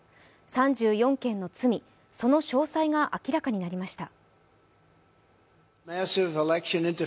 ３４件の罪、その詳細が明らかになりました。